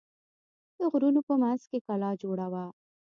د غرونو په منځ کې کلا جوړه وه.